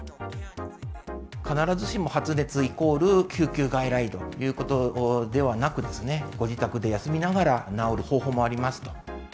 必ずしも発熱イコール救急外来ということではなく、ご自宅で休みながら治る方法もありますと。